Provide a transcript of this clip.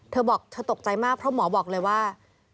เธอตกใจมากเพราะมั้งหมอบอกเลยว่า